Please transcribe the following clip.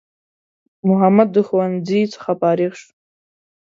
محمد د ښوونځی څخه فارغ سو